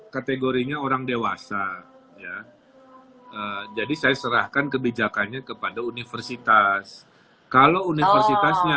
kategorinya orang dewasa ya jadi saya serahkan kebijakannya kepada universitas kalau universitasnya